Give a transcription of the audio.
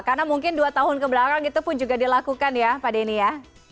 karena mungkin dua tahun kebelakang itu pun juga dilakukan ya pak denny ya